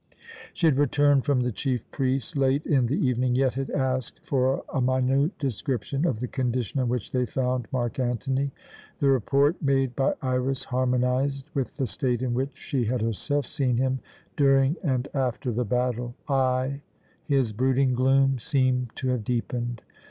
She had returned from the chief priest late in the evening, yet had asked for a minute description of the condition in which they found Mark Antony. The report made by Iras harmonized with the state in which she had herself seen him during and after the battle. Ay, his brooding gloom seemed to have deepened.